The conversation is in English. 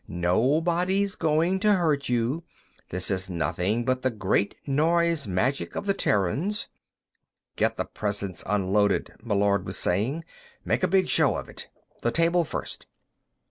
"Nobody's going to hurt you. This is nothing but the great noise magic of the Terrans...." "Get the presents unloaded," Meillard was saying. "Make a big show of it. The table first."